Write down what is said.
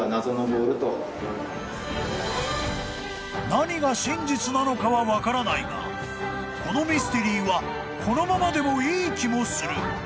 ［何が真実なのかは分からないがこのミステリーはこのままでもいい気もする］